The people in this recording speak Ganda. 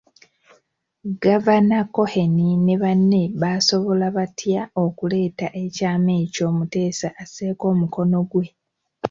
Gavana Cohen ne banne basobola batya okuleeta ekyama ekyo Muteesa asseeko omukono ggwe.